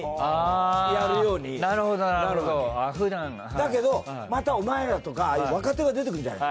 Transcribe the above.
だけどまたお前らとか若手が出てくるじゃない。